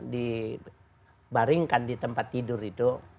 dibaringkan di tempat tidur itu